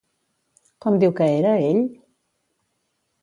Com diu que era, ell?